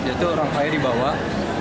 yaitu rangkaian di bawah